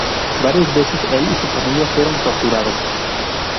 Varias veces el y su familia, fueron torturados.